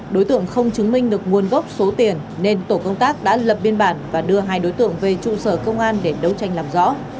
đối tượng không chứng minh được nguồn gốc số tiền nên tổ công tác đã lập biên bản và đưa hai đối tượng về trụ sở công an để đấu tranh làm rõ